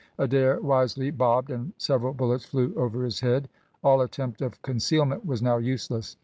Adair wisely bobbed, and several bullets flew over his head. All attempt of concealment was now useless.